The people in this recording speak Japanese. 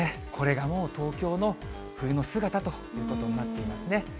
これがもう東京の冬の姿ということになっていますね。